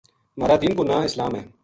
مہار دین کو ناں اسلام ہے۔